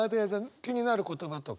気になる言葉とか。